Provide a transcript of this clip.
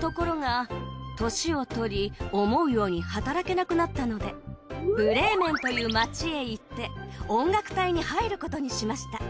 ところが年をとり思うように働けなくなったのでブレーメンという町へ行って音楽隊に入ることにしました。